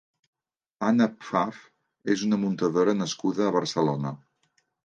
Ana Pfaff és una muntadora nascuda a Barcelona.